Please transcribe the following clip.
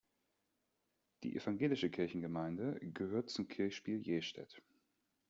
Die evangelische Kirchengemeinde gehört zum Kirchspiel Jestädt.